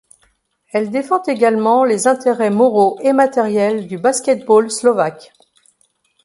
Elle défend également les intérêts moraux et matériels du basket-ball slovaque.